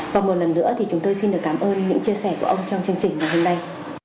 và một lần nữa thì chúng tôi xin được cảm ơn những chia sẻ của ông trong chương trình ngày hôm nay